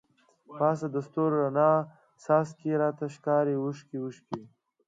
پاس د ستورو راڼه څاڅکی، راته ښکاری اوښکی اوښکی